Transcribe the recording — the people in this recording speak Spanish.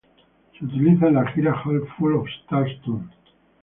Se utilizó en la gira Hat Full of Stars Tour.